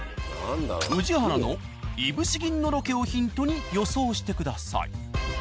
宇治原のいぶし銀のロケをヒントに予想してください。